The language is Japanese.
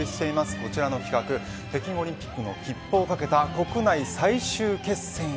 こちらの企画北京オリンピックの切符を懸けた国内最終決戦へ。